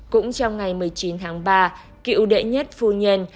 cũng trong ngày một mươi chín tháng ba cựu đệ nhất phu nhân